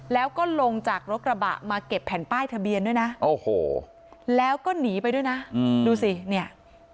แล้วก็ลงจากรถกระบะมาเก็บแผ่นป้ายทะเบียนด้วยนะโอ้โหแล้วก็หนีไปด้วยนะดูสิเนี่ย